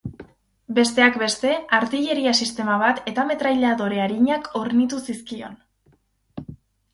Besteak beste, artilleria sistema bat eta metrailadore arinak hornitu zizkion.